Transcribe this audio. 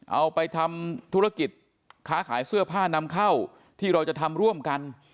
เอาไปทำธุรกิจค้าขายเสื้อผ้านำเข้าที่เราจะทำร่วมกัน